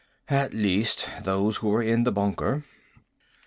At least, those who were in the bunker."